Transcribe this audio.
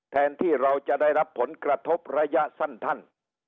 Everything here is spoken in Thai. แทนที่เราจะได้รับผลกระทบระยะสั้น